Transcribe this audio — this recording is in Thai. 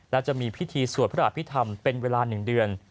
และจะมีพิธีสวดพระอภิษฐรรมเป็นเวลา๑เดือน